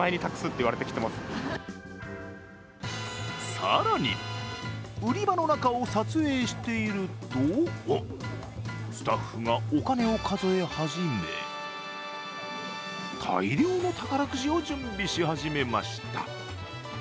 更に売り場の中を撮影しているとスタッフがお金を数え始め、大量の宝くじを準備し始めました。